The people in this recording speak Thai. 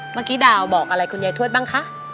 เมื่อกี้ดาวบอกอะไรคุณยายทวดบ้างคะ